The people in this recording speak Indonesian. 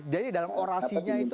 jadi dalam orasinya itu